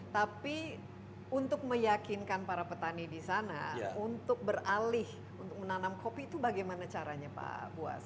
tapi untuk meyakinkan para petani di sana untuk beralih untuk menanam kopi itu bagaimana caranya pak buas